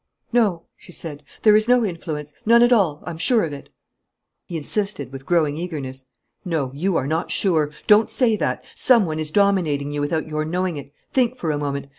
"No," she said, "there is no influence none at all I'm sure of it." He insisted, with growing eagerness: "No, you are not sure; don't say that. Some one is dominating you without your knowing it. Think for a moment.